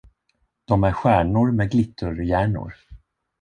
Dom är stjärnor med glitterhjärnor.